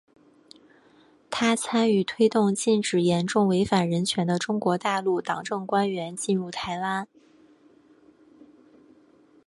她参与推动禁止严重违反人权的中国大陆党政官员进入台湾。